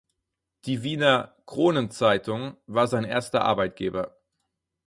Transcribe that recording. Die Wiener "Kronenzeitung" war sein erster Arbeitgeber.